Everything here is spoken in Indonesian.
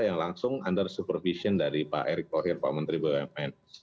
yang langsung under supervision dari pak erick thohir pak menteri bumn